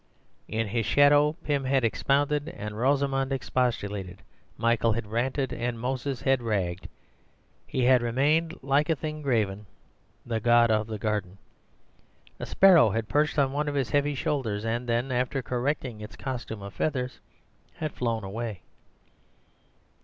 In his shadow Pym had expounded and Rosamund expostulated, Michael had ranted and Moses had ragged. He had remained like a thing graven; the god of the garden. A sparrow had perched on one of his heavy shoulders; and then, after correcting its costume of feathers, had flown away.